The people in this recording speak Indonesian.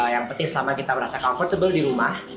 yang penting selama kita merasa comfortable di rumah